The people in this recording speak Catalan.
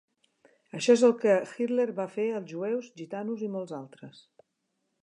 Això és el que Hitler va fer als jueus, gitanos i molts altres.